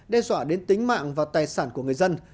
đe dọa đến tính mạng và tài sản của người dân